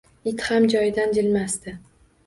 It ham joyidan jilmasdi.